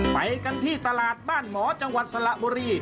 ไปกันที่ตลาดบ้านหมอจังหวัดสระบุรี